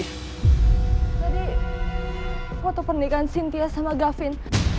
tadi foto pernikahan sintia sama gavin